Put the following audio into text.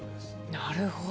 なるほど。